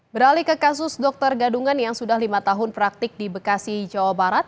beralih ke kasus dokter gadungan yang sudah lima tahun praktik di bekasi jawa barat